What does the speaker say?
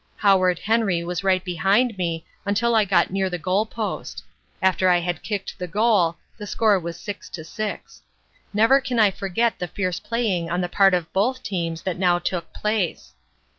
Howard Henry was right behind me until I got near the goal post. After I had kicked the goal the score was 6 to 6. Never can I forget the fierce playing on the part of both teams that now took place.